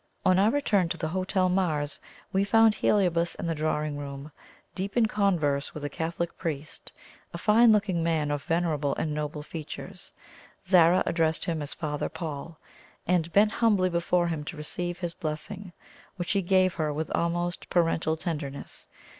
On our return to the Hotel Mars, we found Heliobas in the drawing room, deep in converse with a Catholic priest a fine looking man of venerable and noble features. Zara addressed him as "Father Paul," and bent humbly before him to receive his blessing, which he gave her with almost parental tenderness.